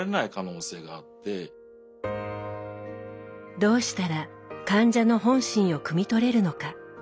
どうしたら患者の本心をくみ取れるのか。